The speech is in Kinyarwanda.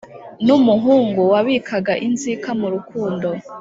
N’umuhungu wabikaga inzika mu rukundo